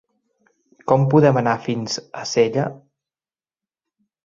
Com podem anar fins a Sella?